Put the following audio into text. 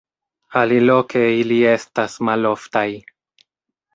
Aliloke ili estas maloftaj.